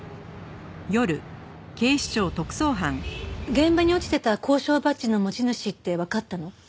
現場に落ちてた校章バッジの持ち主ってわかったの？